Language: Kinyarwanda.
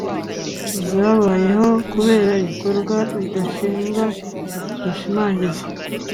zabayeho kubera ibikorwa bidashinga dushimagiza